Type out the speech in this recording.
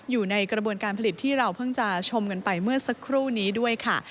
อยู่ในกระบวนการผลิตที่เราเพิ่งจะชมกันไปเมื่อสักครู่นี้ด้วยค่ะ